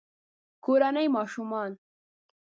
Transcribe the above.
کورني ماشومان